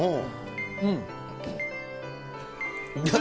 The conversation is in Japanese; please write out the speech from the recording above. うん。